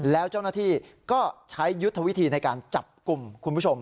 แล้วเจ้าหน้าที่ก็ใช้ยุทธวิธีในการจับกลุ่มคุณผู้ชม